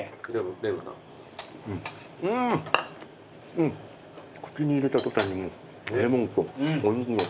うん口に入れた途端にもうレモンとお肉の。